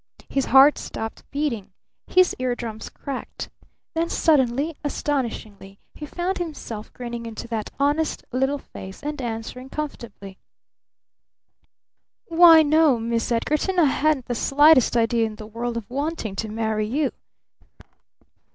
His heart stopped beating. His ear drums cracked. Then suddenly, astonishingly, he found himself grinning into that honest little face, and answering comfortably: "Why, no, Miss Edgarton, I hadn't the slightest idea in the world of wanting to marry you."